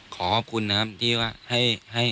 ขอขอบคุณนะครับที่ว่า